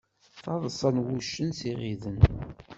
Taḍsa n wuccen s iɣiden.